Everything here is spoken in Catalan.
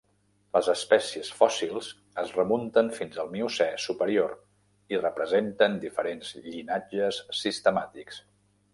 Les espècies fòssils es remunten fins al Miocè superior i representen diferents llinatges sistemàtics.